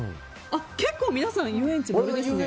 結構皆さん、遊園地○ですね。